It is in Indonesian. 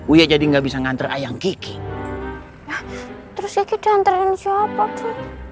uya jadi nggak bisa ngantre ayam kiki terus itu dan terlalu siapa itu